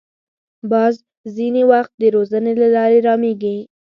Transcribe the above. باز ځینې وخت د روزنې له لارې رامېږي